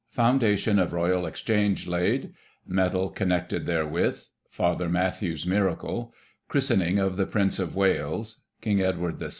Foundation of Royal Exchange laid — Medal connected therewith — Father Ma thew's miracle — Christening of the Prince of Wales — King Edward VII.